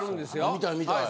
見たい見たい！